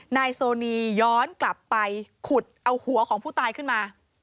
นายโซนีย้อนกลับไปขุดเอาหัวของผู้ตายขึ้นมา